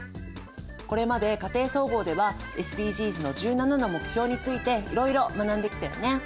これまで「家庭総合」ではＳＤＧｓの１７の目標についていろいろ学んできたよね。